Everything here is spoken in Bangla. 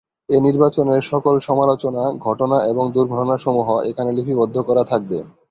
এ নির্বাচনের সকল সমালোচনা, ঘটনা এবং দুর্ঘটনা সমূহ এখানে লিপিবদ্ধ করা থাকবে।